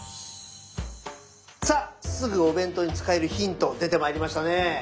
さあすぐお弁当に使えるヒント出てまいりましたね。